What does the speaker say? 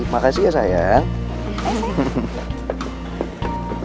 makasih ya sayang